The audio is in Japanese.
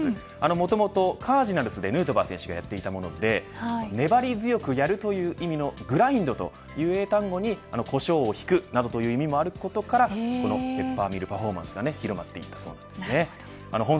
もともとカージナルスでヌートバー選手がやっていたもので粘り強くやるという意味のグラインドという英単語にこしょうなどをひくなどという意味もあることからこのペッパーミルパフォーマンスが広まっていたそうです。